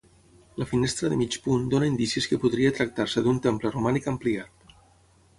La finestra de mig punt dóna indicis que podria tractar-se d'un temple romànic ampliat.